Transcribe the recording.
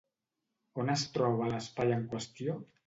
On es troba l'espai en qüestió?